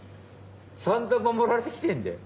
さんざん守られてきてんで。